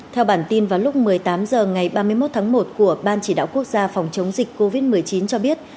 theo bản tin vào lúc một mươi tám h ngày ba mươi một tháng một của ban chỉ đạo quốc gia phòng chống dịch covid một mươi chín cho biết